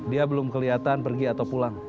dia belum kelihatan pergi atau pulang